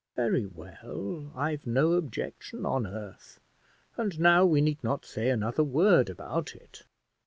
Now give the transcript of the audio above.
"Very well, I've no objection on earth; and now we need not say another word about it."